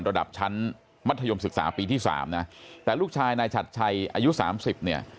ระดับชั้นมัธยมศึกษาปีที่สามนะแต่ลูกชายนายฉัดชัยอายุสามสิบเนี่ย